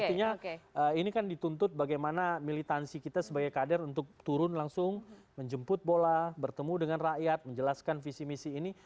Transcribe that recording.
artinya ini kan dituntut bagaimana militansi kita sebagai kader untuk turun langsung menjemput bola bertemu dengan rakyat menjelaskan visi misi ini